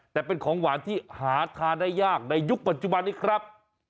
แต่เป็นของหวานที่หาทานได้ยากในยุคปัจจุบันนี้ครับ